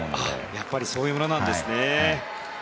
やっぱりそういうものなんですね。